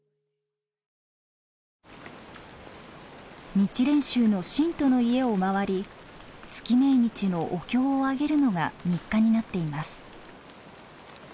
日蓮宗の信徒の家を回り月命日のお経をあげるのが日課になっています。